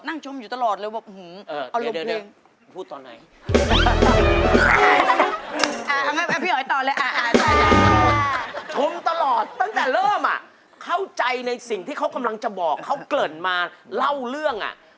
นั่งชมอยู่ตลอดเลยอะเหรออลุ่มเพรง